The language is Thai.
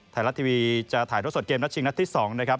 ไทยรัฐทีวีจะถ่ายท่อสดเกมนัดชิงนัดที่๒นะครับ